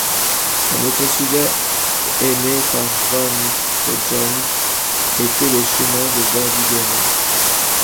Un autre sujet aimé par von Kleudgen étaient les chemins de Bordighera.